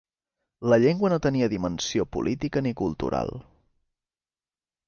La llengua no tenia dimensió política ni cultural.